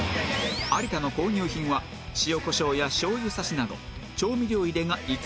有田の購入品は塩・胡椒やしょう油差しなど調味料入れが５つ